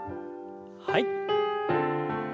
はい。